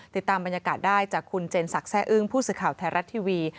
ติดตามบรรยากาศได้จากคุณเจนสักแร่อึ้งผู้สื่อข่าวไทยรัฐทีวี